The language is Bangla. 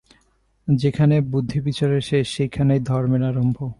যেখানে বুদ্ধিবিচারের শেষ, সেইখানেই ধর্মের আরম্ভ।